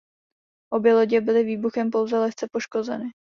Obě lodě byly výbuchem pouze lehce poškozeny.